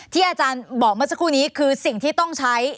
ที่อาจารย์บอกเมื่อสักครู่นี้คือสิ่งที่ต้องใช้